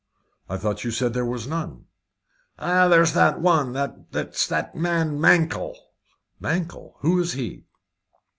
"I thought you said there was none?" "There's that one it's that man Mankell." "Mankell? Who is he?"